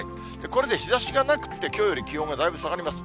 これで日ざしがなくって、きょうより気温がだいぶ下がります。